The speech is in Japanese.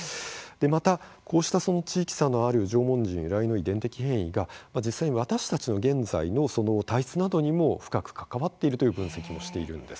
また、こうした地域差のある縄文人由来の遺伝的変異が実際、私たちの現在の体質のなどにも深く関わっているという分析もしてるんです。